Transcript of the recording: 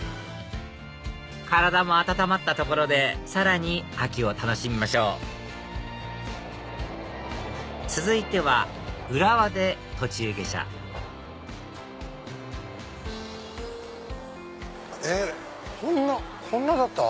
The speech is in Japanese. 体も温まったところでさらに秋を楽しみましょう続いては浦和で途中下車えっこんなだった？